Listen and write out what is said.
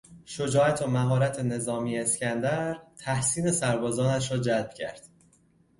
شجاعت و مهارتنظامی اسکندر تحسین سربازانش را جلب کرد.